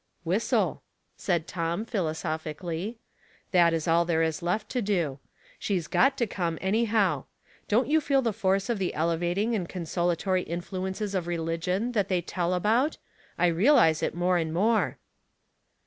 "*' Whistle," said Tom, philosophically. '* That is all there is left to do. She's got to come, any how. Don't you feel the force of the elevating and consolatory influences of religion that they tell about? I realize it more and more."